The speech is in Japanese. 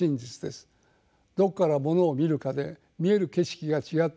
どこからものを見るかで見える景色が違ってくる。